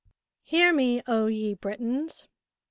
EAR me, O ye Britons